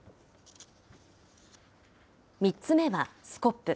３つ目はスコップ。